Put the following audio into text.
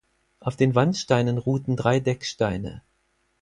Auf den Wandsteinen ruhten drei Decksteine.